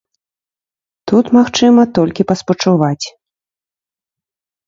Тут магчыма толькі паспачуваць.